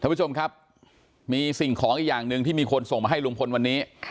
ผู้ชมครับมีสิ่งของอีกอย่างหนึ่งที่มีคนส่งมาให้ลุงพลวันนี้